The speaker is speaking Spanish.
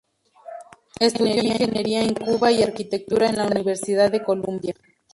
Estudió ingeniería en Cuba y arquitectura en la Universidad de Columbia.